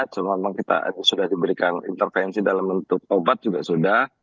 cuma memang kita sudah diberikan intervensi dalam bentuk obat juga sudah